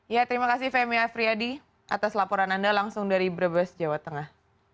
ya terima kasih femi afriyadi atas laporan anda langsung dari brebes jawa tengah